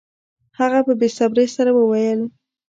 هغه په بې صبرۍ سره وویل